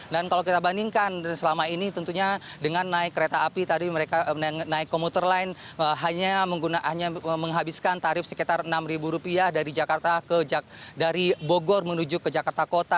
dan kalau kita bandingkan selama ini tentunya dengan naik kereta api tadi mereka naik komuter lain hanya menghabiskan tarif sekitar enam rupiah dari bogor menuju ke jakarta kota